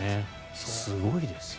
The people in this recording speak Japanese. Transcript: すごいです。